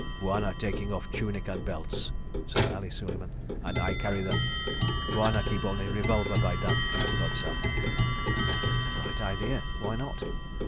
"Bwana taking off tunic and belts," said Ali Suleiman, "and I carry them. Bwana keep only revolver, by damn, please God, sah." A bright idea! Why not?